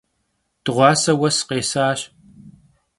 Dığuase vues khesaş.